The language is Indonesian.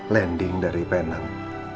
landing dari penang